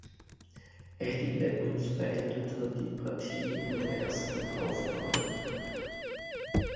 Eddy Leppens beendete die Partie in der ersten Aufnahme.